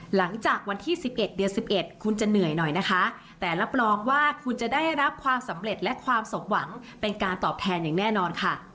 หลังจากวันที่๑๑เดือน๑๑คุณจะเหนื่อยหน่อยนะคะแต่รับรองว่าคุณจะได้รับความสำเร็จและความสมหวังเป็นการตอบแทนอย่างแน่นอนค่ะ